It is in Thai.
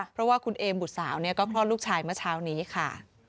เพราะว่าคุณเอมบุษาวเนี่ยก็พล่อลูกชายเมื่อเช้านี้ค่ะ